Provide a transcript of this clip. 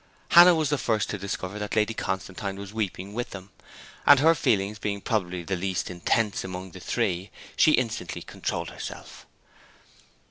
Hannah was the first to discover that Lady Constantine was weeping with them; and her feelings being probably the least intense among the three she instantly controlled herself.